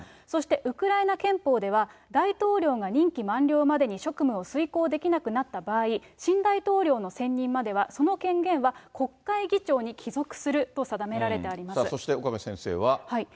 そしてウクライナ憲法では、大統領が任期満了までに職務を遂行できなくなった場合、新大統領の選任まではその権限は国会議長に帰属すると定められてそして岡部先生は。